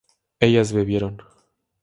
¿ellas bebieron?